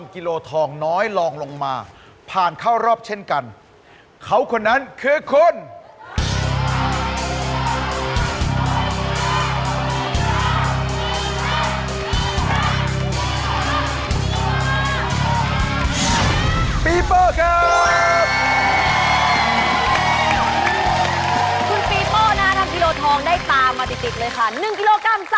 คุณวินได้ตระก้าสาร